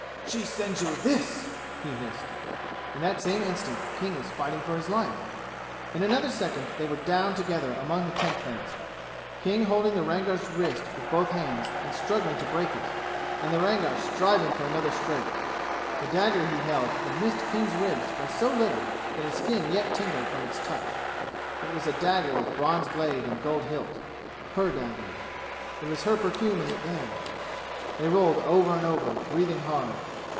"She sends you this!" he hissed. In that same instant King was fighting for his life. In another second they were down together among the tent pegs, King holding the Rangar's wrist with both hands and struggling to break it, and the Rangar striving for another stroke. The dagger he held had missed King's ribs by so little that his skin yet tingled from its touch. It was a dagger with bronze blade and a gold hilt her dagger. It was her perfume in the air. They rolled over and over, breathing hard.